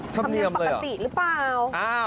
ทำเนียมปฏิหรือเปล่า